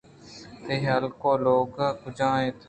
تئی ھلک ءُ لوگ کجا اَنت ؟